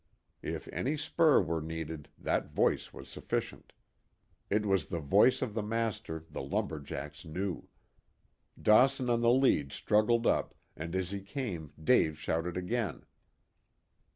If any spur were needed, that voice was sufficient. it was the voice of the master the lumber jacks knew. Dawson on the lead struggled up, and as he came Dave shouted again.